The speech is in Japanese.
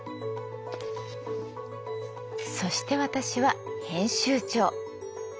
そして私は編集長。